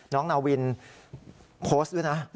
นาวินโพสต์ด้วยนะ